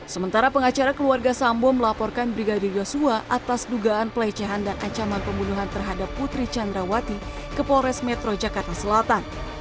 sementara pengacara keluarga sambo melaporkan brigadir yosua atas dugaan pelecehan dan ancaman pembunuhan terhadap putri candrawati ke polres metro jakarta selatan